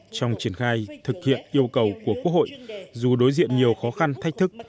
trong triển khai thực hiện yêu cầu của quốc hội dù đối diện nhiều khó khăn thách thức